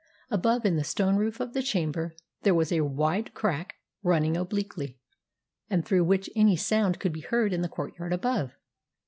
Above, in the stone roof of the chamber, there was a wide crack running obliquely, and through which any sound could be heard in the courtyard above.